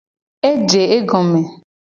Eje egome.